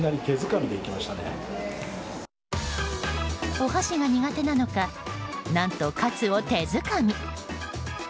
お箸が苦手なのか何とカツを手づかみ。